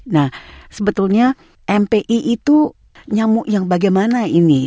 nah sebetulnya mpi itu nyamuk yang bagaimana ini